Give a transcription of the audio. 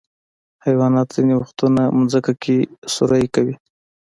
حیوانات ځینې وختونه ځمکه کې سوری کوي.